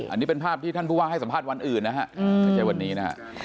อันนี้เป็นภาพที่ท่านผู้ว่าให้สัมภาษณ์วันอื่นนะครับ